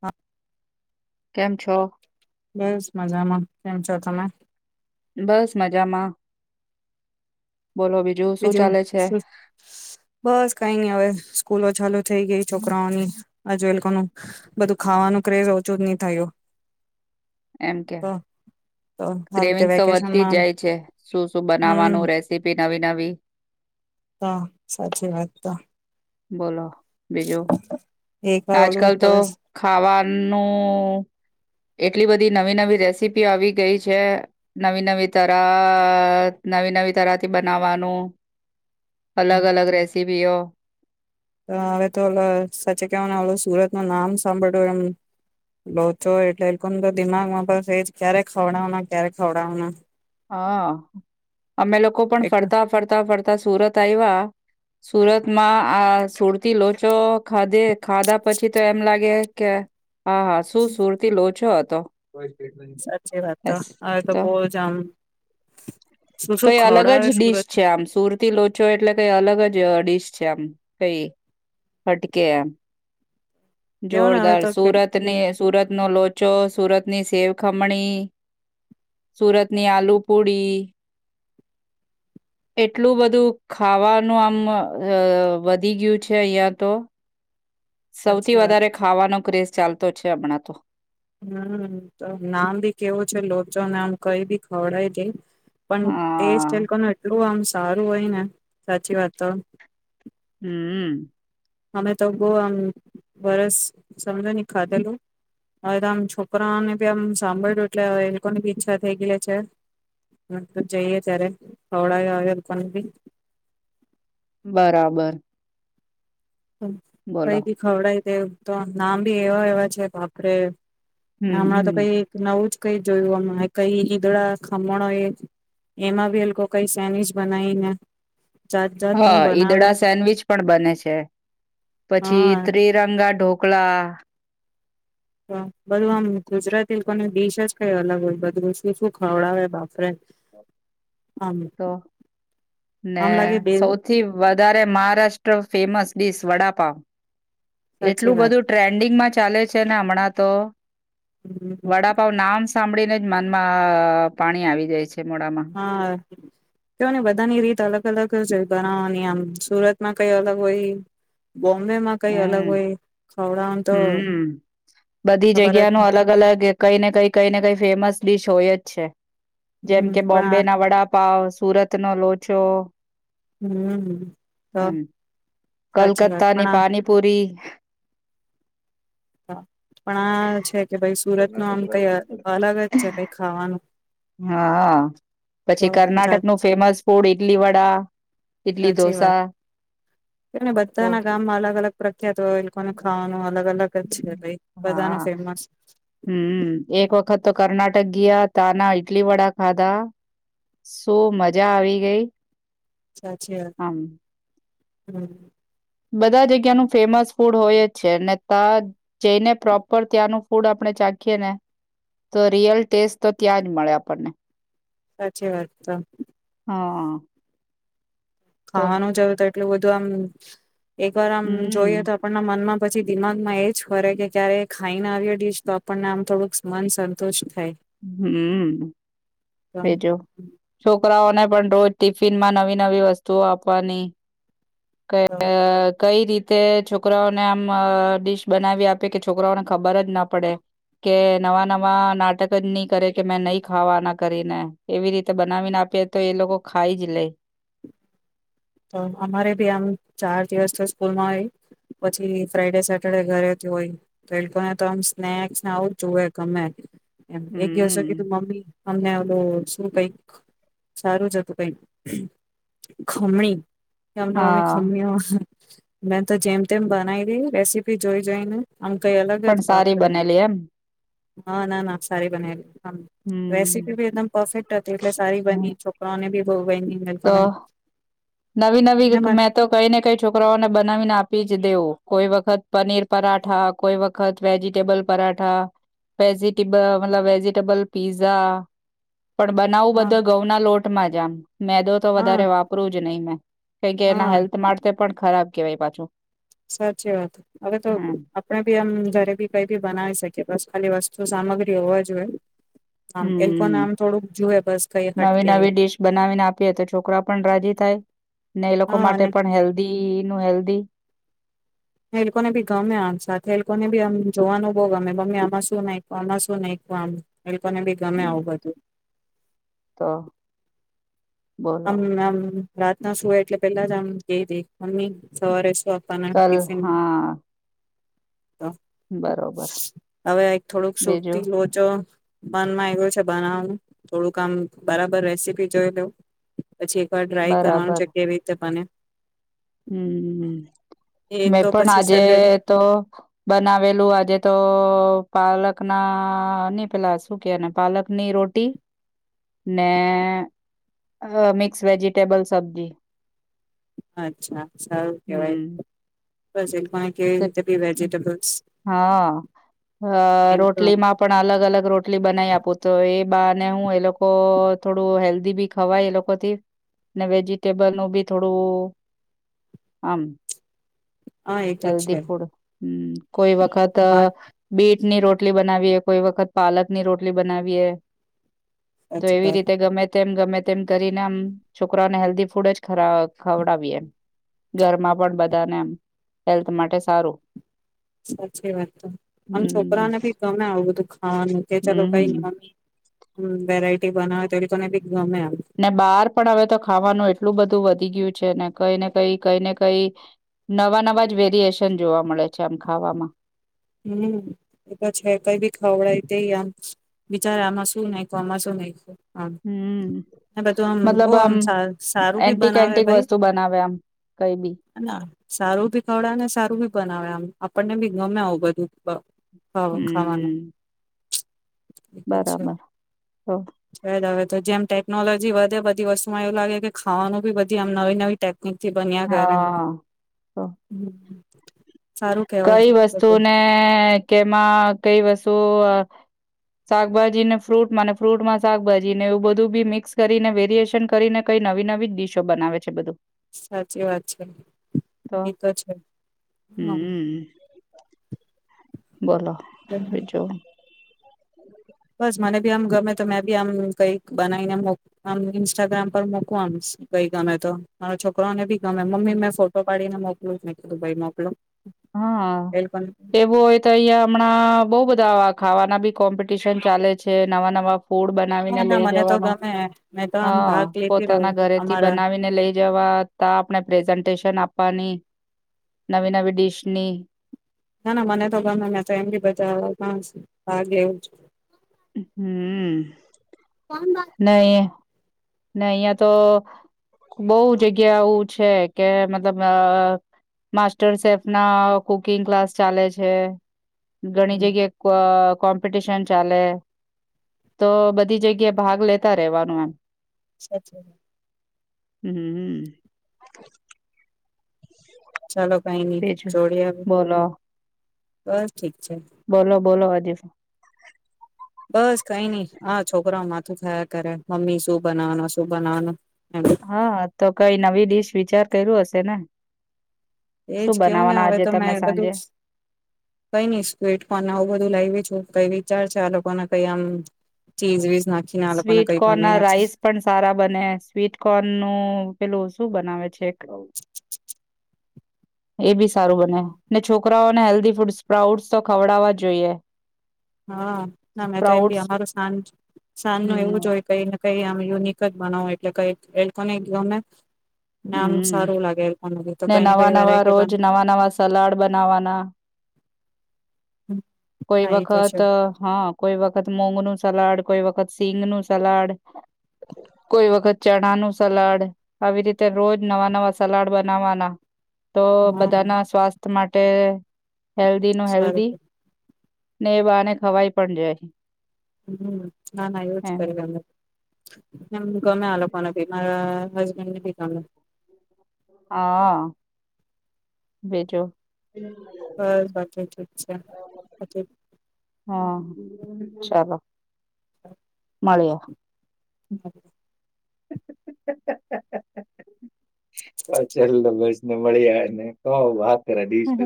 હા કેમ છો? બસ મજામાં કેમ છો તમે બસ મજામાં બોલો શું બીજું ચાલે છે? બસ કઈ નઈ હવે સ્કૂલો ચાલુ થઈ ગઈ છોકરાઓની આજુ એ લોકોનું બધું ખાવાનું ક્રેઝ ઓછું જ નહી થયું એમ કે તો તો આવી રીતે ગ્રેવિંગ તો વધતી વેકેશનમાં જાય છે શું શું બનાવાનું રેસીપી નથી હા સાચી વાત તો બોલો બીજું એક વાર ઓલું આજકાલ તો હવે ખાવાનું એટલી બધી નવી નવી રેસીપી આવી ગઈ છે નવી નવી તર નવી નવી તરથી બનાવાનું અલગ અલગ રેસીપીઓ હવે તો ઓ સાચે કવા ઓ સુરત નું નામ સાંભળ્યું એમ લોચો એટલે એ લોકોને તો દિમાગમાં પણ ક્યારે ખવડાવના ક્યારે ખવડાવના હા અમે લોકો પણ એટલું ફરતા ફરતા ફરતા સુરત આવ્યા સુરતમાં આ સુરતી લોચો ખાધે ખાધા પછી તો એમ લાગે કે હા હા શું સુરતી લોચો હ તો. સાચી વાત તો હવે તો બવજ આમ શું શું કઈ અલગ ખવડાવે જ ડીશ સુરત છે આમ. સુરતી લોચો એટલે કઈ અલગ જ જ ડીશ છે એમ, કઈ ફટકે એમ કેવો ને હવે જોરદાર તો કેટલી સુરતની સુરતનો લો ચો સુરત ની સેવખમણી, સુરતની આલુ પુડી એટલું બધું ખાવાનું આમ અ અ વધી ગયું છે અહિયા તો. સૌથી સાચી વાત વધારે ખાવાનો ક્રેઝ ચાલતો છે હમણાં તો હમ્મ, તો નામ ભી કેવું છે લોચો, નામ કઈ બી ખવડાય દઈ. પણ તે હા સેલ કોનું એટલું આમશ સારું હોય ને, સાચી વાત તો હમ્મ. અમે તો બવ આમ વરસ સમજો ની ખાધેલું. હવે તો આમ છોકરાને બી આમ સાંભળ એટલે એ લોકોની બી ઈચ્છા થઈ ગય છે તો જઈએ ત્યારે ખવડાવ્યા લોકોન બી બરાબર. બોલો કઈક ખવડાય તે તો નામ બી એવા એવા છે કાપરે. હમ હમણાં તો કઈ હમ નવું જ કઈ જોયું આમ કઈ ઈદડા, ખમણ હોય એમાં એ લોકો કઈ સેન્ડવીચ બનાવી ના હા ઈદડા સેન્ડવીચ પણ બને છે. પછી હા ત્રિરંગા ઢો કલા બલા આમ ગુજરાતી લોકોની ડીશ જ કઈ અલગ હોય, બધું શું શું ખવડાવે બાપરે. આમ તો, ને આમ લાગે બે સૌથી વધારે મહારાષ્ટ્ર ફેમસ ડીશ વડાપાવ. સાચી એટલું વાત બધું ટ્રેન્ડિંગમાં ચાલે છે ને હમણાં તો. હમ, વડાપાવ નામ સાંભળીને જ મનમાં પાણી આવી જાય છે. [unintelligible] મોડામાં કયો ને બધાની રીત અલગ અલગ જ હોય પણ આ અહીંયા આમ સુરત માં કઈ અલગ હોય. હમ્મ, ખવડાવનું તો હમ્મ, બધી ખબર જગ્યા જ ના અલગ અલગ કઈ ને કઈ કઈ ને કઈ ફેમસ ડીશ હોય જ અચ્છા. જેમ હમ કે પણ બોમ્બે આ ના વડાપ સુરતનોો લો છ હમ તો સાચી વાત પણ આ બૂડી આ પણ આ છે કે ભાઈ સુરત નું આમ કઈ અલગ જ છે કઈ ખાવાનું હા તો પછી કર્ણાટકનુંું ફેમસ ફૂડ ઈડલી વડા ઈડલી ોસા કે ભતાા ના કામ અલગ અલગ પ્રખ્યાત હોને ખાવાનું અલગ અલગ જ છે ભાઈ હા બધાનું ફેમસ હમ એક વખત તો કર્ણાટક ગયા તાના ઈડલી વડા ખાધા શું મજા આવી ગઈ સા છેી આમ હમ બધા જગ્યાનું ફેમસ ફૂડ હોય જ છે અનેને ત્યાં જઈને પ્રોપર ત્યાંનું ફૂડ આપણે ચાખીએ ને તો રિયલ ટેસ્ટ તો ત્યાં જ મળે આપણને સાચી વાત તો હા તો ખાવાનું જવ ત એટલું બધું આમ એક વાર આમ હમ જોઈએ તો આપણના મનમાં પછી દિમાગમાં એ જ ફરે કે ક્યારે ખાઈને આવ્યો ડીશ તો આપણને આમ થોડુંક મન સંતુષ્ટ થાય હમ તો ભેજો છોકરાઓને પણ રોજ ટિફિન માં નવી નવી વસ્તુઓ આપવાની ક તો કઈ રીત તે છોકરાઓને આમ ડીશ બનાવી આપે કે છોકરાઓને ખબર જ ના પડે કે નવા નવા નાટક ની કરે કે મેં નહી ખાવાના કરીને એવી રીતે બનાવીને આપી તો એ લોકો ખાઈ જ લે તો અમારે ભી આમ ચાર દિવસ તો સ્કૂલમાં હોય પછી ફ્રાઈડે સેટરડે ઘરેથી હોય તો એ લોકોને તો આમ સ્નેક્સને આવું જ જુએ ગમે એમ એક ગિવસ હમ કીધું મમ્મી અમને એલું ું કઈક સારું જ હતું કઈક ખમણી કેમડા મી ખમ હા મેં તો જેમ તેમ બનાવી ર રેસીપી જોઈ જઈ ને પણ સારી બનેલી એમ હા ના ના સારી બનાલી હમ રેસીપી બી એકદમ પરફેક્ટ હતી એટલે સારી બની છોકરાઓને બી ઈ નિંદ કો તો નવી નવી મેં તો કઈ ને કઈ છોકરાઓને બનાવીને આપી જ દેવો કોઈ વખત પનીર પરાઠા, કોઈ વખત વેજીિટેબલ પરાઠા વેજીટેબલ મતલબ વેજીિટેબલ પીઝા પણ બનાવું હા બધાં ઘઉંના લોટમાં જ આમ મેદો તો હા વધારે વાપરું જ નહી મેં કેમ કે એના હા હેલ્થ માટે પણ ખ ખરાબ કેવાય પાછું સાચી વાત હવે તો હમ આપણે બી આમ ઘરે બી કઈ બી બનાવી શકીએ બસ ખાલી વસ્ શું સામગ્રી હોવા જોએ હમ કઈ નવી હટકે નવી ડીશ બનાવીને આપીએ તો છોકરાઓ પણ રાજી થાય ને એ લોકો હા માટે અને પણ હેલ્ધી નું હેલ્દી એ લોકોને બી ગમે આમ સાથે એ લોકોને બી આમ જોવાનું બહુ ગમે મમ્મી આમાં શું નાખ્યું આમાં શું નાખ્યું આમ એ લોકોને બી ગમે આવું બધું તો બોલો આમ આમ રાતના સુવે એટલે પેલા જ આમ કઈ દે મમ્મી સવારે શું આપવાના કલ ટિફિનમાં હા તો બરોબર હવે એક થોડુંક બીજું સુખથી લોચો મનમાં આવ્યો છે બનાવાનું થોડુંક આમ બરાબર રેસીપી જોઈ લઉં. પછી એકવાર ટ્રાય કરવાનું બરાબર છે કેવી રીતે બને. હમ એ મેં તો પણ પછી આજે સન્ડે તો બનાવેલું આજે તો પાલકના ની પેલા શું કે એને પાલકની રોટી ને મિક્સ વેજીિટેબલ સબ્જી અચ્છા સારું કેવાય હમ બસ એ લોકોને કેવી રીતે બી વેજીિટેબલ્સ હા અ એમ તો રોટલીમાં પણ અલગ અલગ રોટલી બનાઈ આપું તો એ બાને હું એ લોકો થોડું હેલ્ધી બી ખવાય એ લોકોથી ને વેજીિટેબલ નું બી થોડું આમ હા એ તો હેલ્ધી છે ફૂડ હમ કોઈ વખત માર બીટ ની રોટલી બનાવીએ, કોઈ વખત પાલકની રોટલી બનાવીએ તો સાચી એવી વાત રીતે ગમે તેમ ગમે તેમ કરીને આમ છોકરાઓને હેલ્ધી ફૂડ જ ખરા ખવડાવીએ એમ ઘરમાં પણ બધાને એમ હેલ્થ માટે સારું સાચી વાત તો આમ હમ છોકરાઓને બી ગમે આવું બધું ખાવાનું કે ચલો કંઈ હમ નહીં મમ્મી હમ વેરાયટી બનાવે તો એ લોકોને બી ગમે આમ ને બહાર પણ હવે તો ખાવાનું એટલું બધું વધ ધી ગયું છે ને કંઈને કંઈ કંઈને કંઈ નવા નવા જ વેરિએશન જોવા મળે છે આમ ખાવામાં હમ એ તો છે કઈ બી ખવડાય તે આમ વિચાર આમાં શું નાખ્યું આમાં શું નાખ્યું. આમ હમ ને બધું આમ બહુ આમ સારું ભી એન્ટિક બનાવે એન્ટિક ભાઈ વસ્તુ બનાવે આમ કઈ બી અને આમ સારું ભી ખવડાવેને સારું ભી બનાવે આમ આપણને બી ગમે આવું બધ પ ખાવો ખાવાનું હમ બરાબર તો છે છે તો જેમ ટેકનોલોજી વધે બધી વસ્તુમાં એવું લાગે કે ખાવાનું બી બધી આમ નવી નવીટે ચથી બન્યા ઘ હ હા તો [inaudible] સારું કેવાય કઈ છે બધું વસ્તુને કેમાં કઈ વસ્તુ શાકભાજીને ફ્રૂટમાં ફ્રૂટ માં શાકભાજી ને એવું બધું બી મિક્સ કરીને વેરિયશન કરીને કઈ નવી નવી ડીશો બનાવે છે બધું સાચી વાત છે તો એતો છે હમ હમ બોલો હજો હમ બસ મને બી આમ ગમે તો મેં બી આમ કઈ બનાવીનેમ ઇન્સ્ટાગ્રામ પર મોકવામ કઈ ગમે તો મારો છોકરોનેી મ્મી મેં ફો પાડીીને મોકલું દબઈ મોકલોું હા એવું હોય તો અહિયાં હમણાં બહ બધા ખાવાના બી કોમ્પિટિશન ચાલે છે નવા નવા ફૂડ હા બનાવીને ના લઈ મને તો જવાનું ગમે મેં તો હ આમ ભાગ લેતી રહું પોતાના ઘરેથી અમારા બનાવીને લઈ જવા ત આપણે પ્રેઝન્ટેશન આપ પાણી નવી નવી ડિશ પ્લે ના ના મને તો ગમે મે તો એમ બી બધા ભાગેવું હમ નહી ને અહિયાં તો બહ જગ્યા એું છે કે મતલબ માસ્ટર શેફ ના કુકિંગ ક્લાસ ચાલે છે ઘણી જગ્યાએ કોમ્પિટિશન ચાલે તો બધી જગ્યા ભાગ લેતા રેવાનું એમ અચ્છા હમ હ હમ ચાલો કઈ નઈ બીજું જોડી હ બોલો બ બોલો બોલો હજે [inaudible] બસ કઈ નઈ હ છોકરા માથું ખાયા કરે મમ્મી શું બનાવાનું શું બનાવાનું એમ હા તો કઈ નવી ડીશ વિચાર કર્યો હશે ને એજ શું કેવું ને બનાવવાના હવે આજે તો તમે મેં બધું સાંજે કઈ ન સ્કવીટ કોન આવું બધું લાવ છું કઈ વિચાર છે આ લોકોને કઈ આમ ચીજ વિ સ્વીટ કોર્ન ના રાઈસ પણ સારા બને સ્વીટ કોર્ન નું પેલું શું બનાવે છે એક [inaudible] એ બી સારું બને ને છોકરી અને હેલ્ધી ફૂડ સ્પ્રાઉટ્સ તો ખવડાવવા જોઈએ હા ના મેં તો એમ બી સ્પ્રાઉટ્સ અમારું શજ શજ નું એવું હમ જ હોય કઈ કઈ આમ યુનિક જ બનાવ એટલે કઈ એ લોકોને અમે હમ ને કઈ નવા કઈ નવા વેરાયટી રોજ બન નવા નવા સલાડ બનાવાના કોઈ હા એ તો વખત છે હા કોઈ વખત મોંઘનું સલાડ કોઈ વખત સિંગ નું સલાડ કોઈ વખત ચણા નું સલાડ આવી રીતે રોજ નવા નવા સલાડ બનાવવાના તો હા બધા ના સ્વાસ્થ્ય માટે હેલ્ધ નો સારું હેલ્ધી ને એ બને ખવાઈ પણ જાય હમ ના ના એવું જ એમ કર [inaudible] એમ ગમે આાલ લોકો નથી મા [unintelligible] આ. ભેજો બસ સાછી ઠી સાચી હા મળવો ક ચલ બસ ને મળી આવે ને ક વાત કર દશને